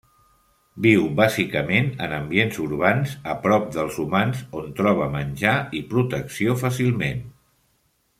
Viu bàsicament en ambients urbans, a prop dels humans, on troba menjar i protecció fàcilment.